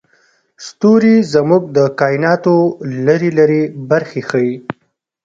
ستوري زموږ د کایناتو لرې لرې برخې ښيي.